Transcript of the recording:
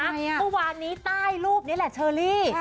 เมื่อวานนี้ใต้รูปนี้แหละเชอรี่